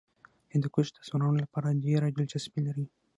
هندوکش د ځوانانو لپاره ډېره دلچسپي لري.